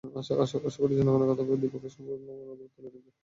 আশা করি, জনগণের কথা ভেবে দুই পক্ষই অবিলম্বে অবরোধ তুলে নেবে।